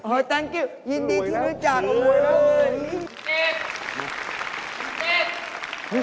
โอ้ทันคิวยินดีที่รู้จักทุกคน